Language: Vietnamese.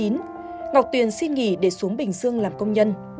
ngọc tuyền xin nghỉ để xuống bình dương làm công nhân